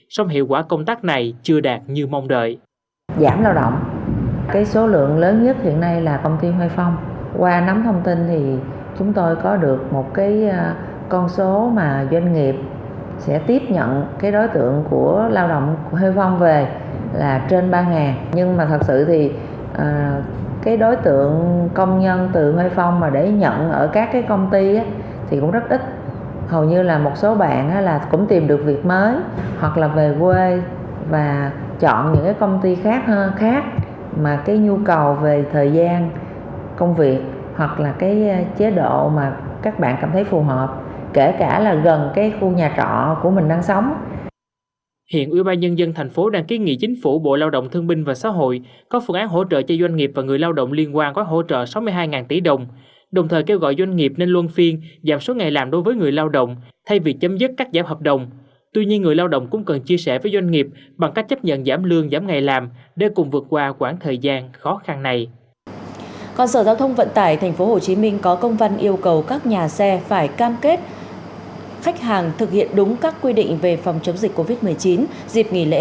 sở giao thông vận tải tp hcm có công văn yêu cầu các nhà xe phải cam kết khách hàng thực hiện đúng các quy định về phòng chống dịch covid một mươi chín dịp nghỉ lễ quốc khánh hai tháng chín